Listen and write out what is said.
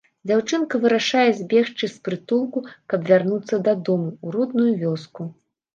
Дзяўчынка вырашае збегчы з прытулку, каб вярнуцца дадому, у родную вёску.